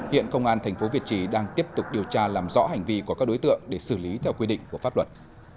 hiện công an tp việt trì đang tiếp tục điều tra làm rõ hành vi của các đối tượng để xử lý theo quy định của pháp luật